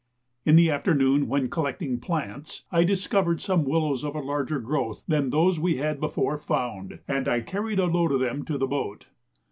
In the afternoon, when collecting plants, I discovered some willows of a larger growth than those we had before found, and I carried a load of them to the boat.